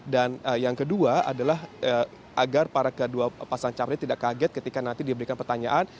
dan yang kedua adalah agar para kedua pasangan capres tidak kaget ketika nanti diberikan pertanyaan